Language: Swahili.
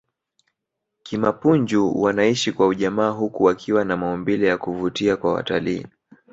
kimapunju wanaishi kwa ujamaa huku wakiwa na maumbile ya kuvutia kwa watalii